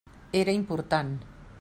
Era important.